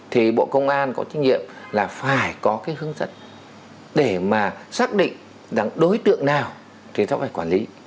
thì bộ công an có trinh nghiệm là phải có cái hướng dẫn để mà xác định đáng đối tượng nào thì chúng ta phải quản lý